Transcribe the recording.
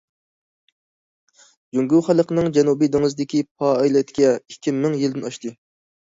جۇڭگو خەلقىنىڭ جەنۇبىي دېڭىزدىكى پائالىيىتىگە ئىككى مىڭ يىلدىن ئاشتى.